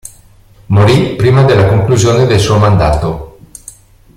Morì prima della conclusione del suo mandato.